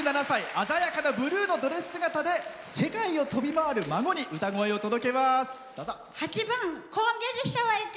鮮やかなブルーのドレス姿で世界を飛び回る孫に８番「高原列車は行く」。